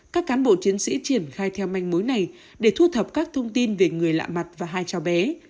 các cán bộ chiến sĩ triển khai theo manh mối này để thu thập các thông tin về người lạ mặt và hai cháu bé